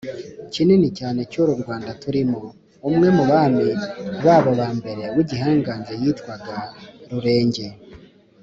cyinini cyane cy’uru rwanda turimo. umwe mu bami babo ba mbere w’igihangange yitwaga rurenge.